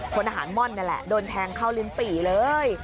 พลทหารม่อนนี่แหละโดนแทงเข้าลิ้นปี่เลย